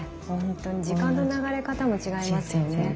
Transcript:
ほんとに時間の流れ方も違いますよね。